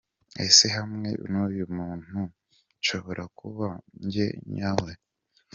Ese hamwe n’uyu muntu nshobora kuba njye nyawe?.